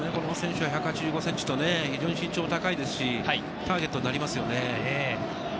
１８５ｃｍと非常に身長高いですし、ターゲットになりますね。